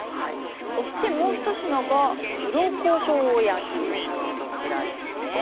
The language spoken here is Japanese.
そしてもう一品が黒こしょう焼きということです。